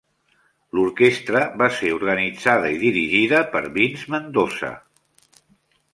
L'orquestra va ser organitzada i dirigida per Vince Mendoza.